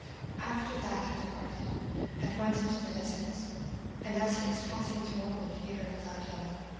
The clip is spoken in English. After that he departed, and went into the deserts, and as he was passing through a wood he heard a loud yelling.